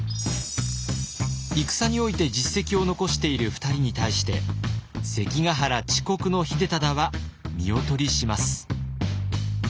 戦において実績を残している２人に対して関ヶ原遅刻の秀忠は見劣りします。